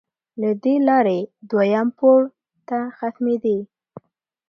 له دې لارې دویم پوړ ته ختمېدې.